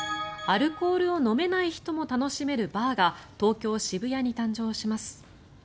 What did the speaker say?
アルコールを飲めない人も楽しめるバーが東京・渋谷に誕生します。